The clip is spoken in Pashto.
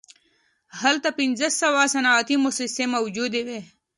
هلته پنځه سوه صنعتي موسسې موجودې وې